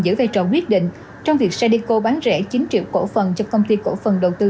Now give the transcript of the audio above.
giữ vai trò quyết định trong việc sadeco bán rẻ chín triệu cổ phần cho công ty cổ phần đầu tư